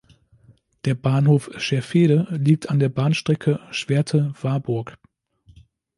Der Bahnhof "Scherfede" liegt an der Bahnstrecke Schwerte–Warburg.